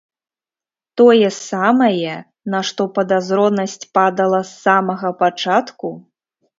Тое самае, на што падазронасць падала з самага пачатку?!